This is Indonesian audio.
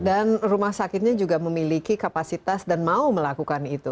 dan rumah sakitnya juga memiliki kapasitas dan mau melakukan itu